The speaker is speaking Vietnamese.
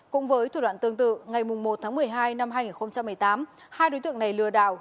cùng với thủ đoạn tương tự ngày một một mươi hai hai nghìn một mươi tám hai đối tượng này lừa đảo